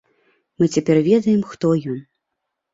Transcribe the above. Мы цяпер ведаем, хто ён.